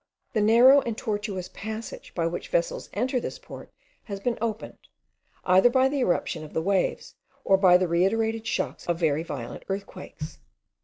The narrow and tortuous passage by which vessels enter this port, has been opened, either by the irruption of the waves, or by the reiterated shocks of very violent earthquakes.